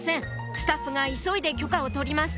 スタッフが急いで許可を取ります